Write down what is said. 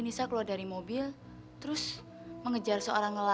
tidak takut kalau mereka lo honnya beneran saja berbicara gebenar